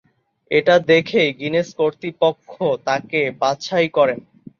এটা দেখেই গিনেস কর্তৃপক্ষ তাকে বাছাই করেন।